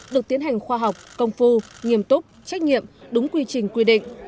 được tiến hành khoa học công phu nghiêm túc trách nhiệm đúng quy trình quy định